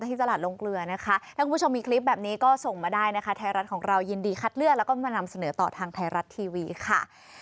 ที่ตลาดลงเกลือนะคะถ้าคุณผู้ชมมีคลิปแบบนี้ก็ส่งมาได้นะคะไทยรัฐของเรายินดีคัดเลือกแล้วก็มานำเสนอต่อทางไทยรัฐทีวีค่ะ